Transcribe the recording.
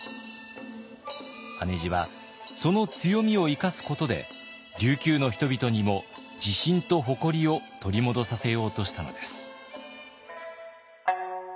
羽地はその強みを生かすことで琉球の人々にも自信と誇りを取り戻させようとしたのです。